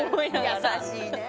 優しいね。